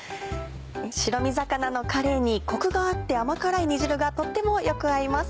白身魚のかれいにコクがあって甘辛い煮汁がとってもよく合います。